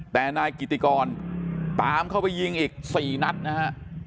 แต่นายกิติกรตามเข้าไปยิงอีก๔นัดนะฮะ